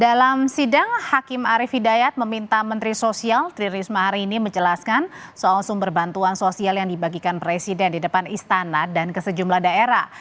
dalam sidang hakim arief hidayat meminta menteri sosial tri risma hari ini menjelaskan soal sumber bantuan sosial yang dibagikan presiden di depan istana dan ke sejumlah daerah